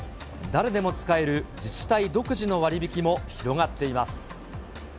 誰でも使える自治体独自の割引も広がっています。